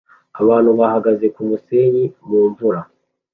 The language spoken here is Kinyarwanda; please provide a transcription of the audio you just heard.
Abantu bahagaze kumusenyi mumvura